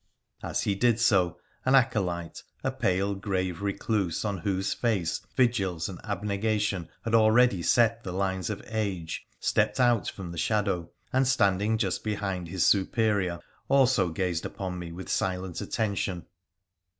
As he did so an acolyte, a pale, grave recluse on whose HO WONDERFUL ADVENTURES OF face vigils and abnegation had already set the lines of age, stepped out from the shadow, and, standing just behind hia superior, also gazed upon me with silent attention.